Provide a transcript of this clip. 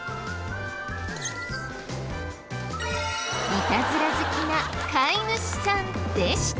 いたずら好きな飼い主さんでした。